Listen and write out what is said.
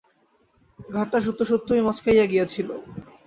ঘাড়টা সত্যসত্যই মচকাইয়া গিয়াছিল।